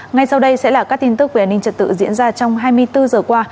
ngay sau đây sẽ là các tin tức về an ninh trật tự diễn ra trong hai mươi bốn giờ qua